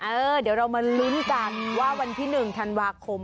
เออเดี๋ยวเรามาลุ้นกันว่าวันที่๑ธันวาคม